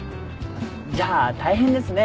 じゃあ大変ですね